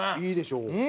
いいでしょ？